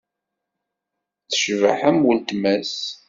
Tecbeḥ am weltma-s.